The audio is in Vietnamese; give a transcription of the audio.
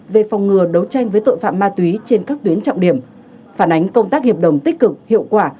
về phòng ngừa đấu tranh với tội phạm ma túy trên các tuyến trọng điểm phản ánh công tác hiệp đồng tích cực hiệu quả